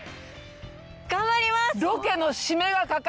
頑張ります！